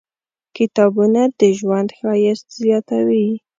کتابونه د ژوند ښایست زیاتوي.